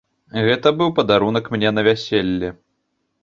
Гэта быў падарунак мне на вяселле.